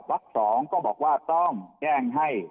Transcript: วัก๒ก็บอกว่าต้องแจ้งให้